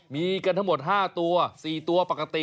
มีกันทั้งหมด๕ตัว๔ตัวปกติ